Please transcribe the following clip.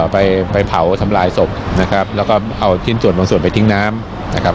ไปไปเผาทำลายศพนะครับแล้วก็เอาชิ้นส่วนบางส่วนไปทิ้งน้ำนะครับ